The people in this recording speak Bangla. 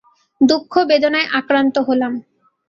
দুঃখ-বেদনায় আক্রান্ত হলাম।